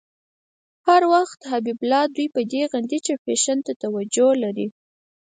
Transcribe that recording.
ده هر وخت حبیب الله په دې غندی چې فېشن ته توجه لري.